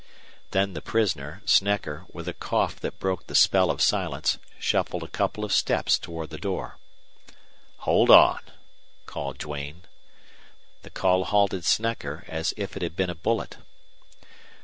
Then the prisoner, Snecker, with a cough that broke the spell of silence, shuffled a couple of steps toward the door. "Hold on!" called Duane. The call halted Snecker, as if it had been a bullet.